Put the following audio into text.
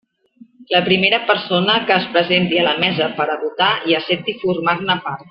La primera persona que es presenti a la mesa per a votar i accepti formar-ne part.